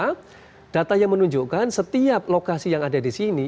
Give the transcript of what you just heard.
karena data yang menunjukkan setiap lokasi yang ada di sini